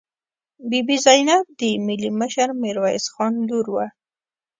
بي بي زینب د ملي مشر میرویس خان لور وه.